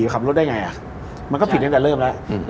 ขับรถได้ไงมันก็ผิดตั้งแต่เริ่มแล้ว